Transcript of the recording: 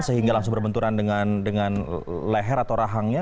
sehingga langsung berbenturan dengan leher atau rahangnya